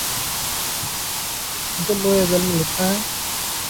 جو لوح ازل میں لکھا ہے